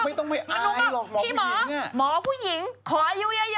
ไม่ต้องไปอายหรอกหมอผู้หญิงเนี่ยพี่หมอหมอผู้หญิงขออยู่เยอะด้วย